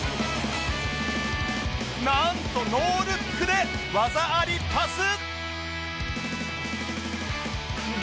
なんとノールックで技ありパス